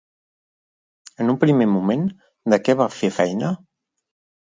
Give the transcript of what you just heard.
En un primer moment, de què va fer feina?